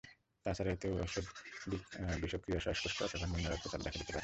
তাছাড়া এতে ঔষধ বিষক্রিয়া, শ্বাসকষ্ট অথবা নিম্ন রক্তচাপ দেখা দিতে পারে।